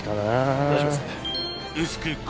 お願いします。